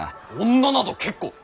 女など結構！